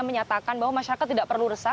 menyatakan bahwa masyarakat tidak perlu resah